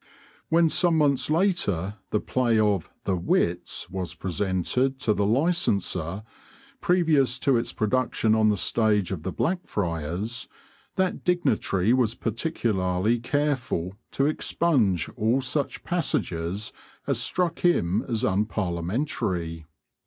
When some months later the play of 'The Wits' was presented to the licenser, previous to its production on the stage of the Blackfriars, that dignitary was particularly careful to expunge all such passages as struck him as unparliamentary.